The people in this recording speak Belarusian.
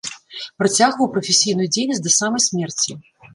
Працягваў прафесійную дзейнасць да самай смерці.